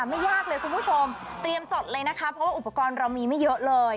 ไม่ยากเลยคุณผู้ชมเตรียมจดเลยนะคะเพราะว่าอุปกรณ์เรามีไม่เยอะเลย